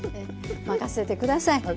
任せて下さい！